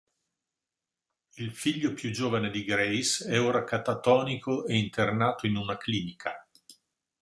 Il figlio più giovane di Grace è ora catatonico e internato in una clinica.